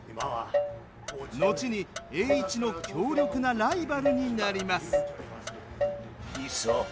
後に栄一の強力なライバルになります。